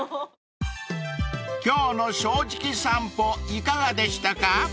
［今日の『正直さんぽ』いかがでしたか？］